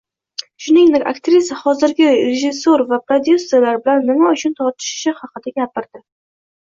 Shuningdek, aktrisa hozirgi rejissor va prodyuserlar bilan nima uchun tortishishi haqida ham gapirdi